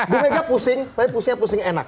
bumegang pusing tapi pusingnya pusing enak